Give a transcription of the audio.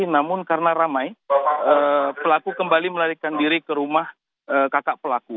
namun karena ramai pelaku kembali melarikan diri ke rumah kakak pelaku